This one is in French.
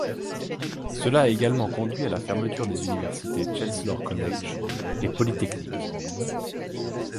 Cela a également conduit à la fermeture des universités Chancellor College et Polytechnique.